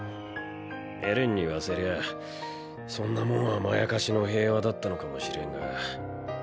エレンに言わせりゃそんなもんはまやかしの平和だったのかもしれんが。